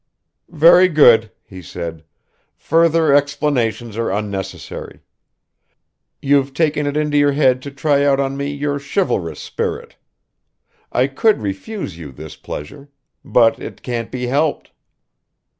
"Very good," he said. "Further explanations are unnecessary. You've taken it into your head to try out on me your chivalrous spirit. I could refuse you this pleasure but it can't be helped!"